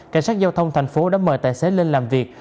cảnh sát giao thông thành phố đã mời tài xế lên làm việc